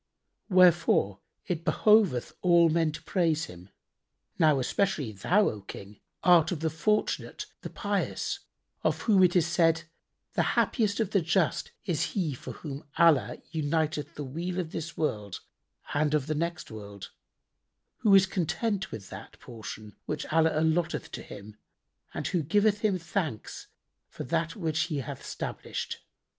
Wherefore it behoveth all men to praise Him. Now, especially thou, O King, art of the fortunate, the pious, of whom it is said, 'The happiest of the just is he for whom Allah uniteth the weal of this world and of the next world; who is content with that portion which Allah allotteth to him and who giveth Him thanks for that which He hath stablished.'